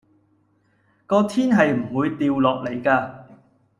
個天係唔會掉落嚟㗎